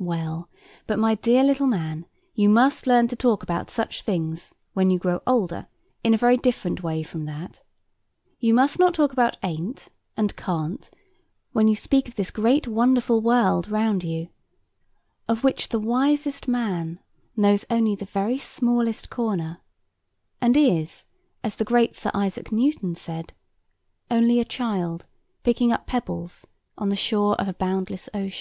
Well, but, my dear little man, you must learn to talk about such things, when you grow older, in a very different way from that. You must not talk about "ain't" and "can't" when you speak of this great wonderful world round you, of which the wisest man knows only the very smallest corner, and is, as the great Sir Isaac Newton said, only a child picking up pebbles on the shore of a boundless ocean.